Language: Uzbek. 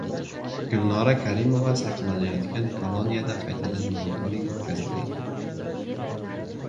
Gulnora Karimova saqlanayotgan koloniyada qaytadan monitoring o‘tkaziladi